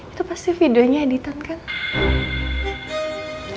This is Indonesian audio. itu pasti videonya editon kan